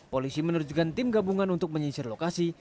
polisi menerjukan tim gabungan untuk menyesir lokasi